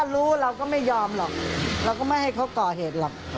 เราก็ไม่ให้เขาก่อเหตุหรอก